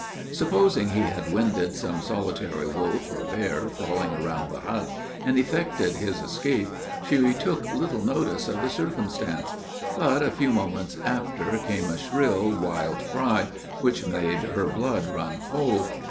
Supposing he had winded some solitary wolf or bear prowling around the hut, and effected his escape, she took little notice of the circumstance; but a few moments after came a shrill, wild cry, which made her blood run cold.